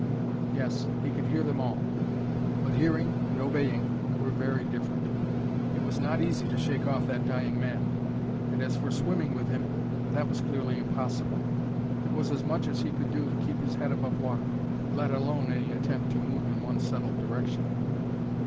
Yes; he could hear them all; but hearing and obeying were very different. It was not easy to shake off that dying man; and as for swimming with him, that was clearly impossible. It was as much as he could do to keep his head above water, let alone any attempt to move in one settled direction.